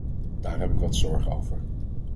Daar heb ik wat zorg over.